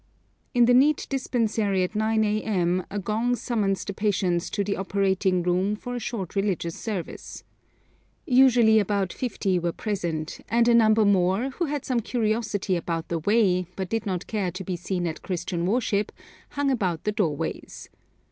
In the neat dispensary at 9 a.m. a gong summons the patients to the operating room for a short religious service. Usually about fifty were present, and a number more, who had some curiosity about 'the way,' but did not care to be seen at Christian worship, hung about the doorways.